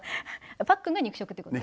あっパックンが肉食ってこと？